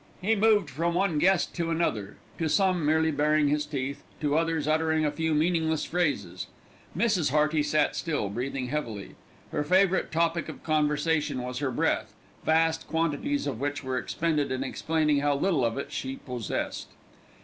He moved from one guest to another, to some merely baring his teeth, to others uttering a few meaningless phrases. Mrs. Hearty sat still, breathing heavily. Her favourite topic of conversation was her breath, vast quantities of which were expended in explaining how little of it she possessed.